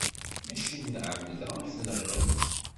Mačči ɛemda i t-nɣiɣ.